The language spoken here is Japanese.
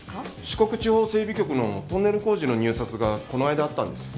四国地方整備局のトンネル工事の入札がこの間あったんです。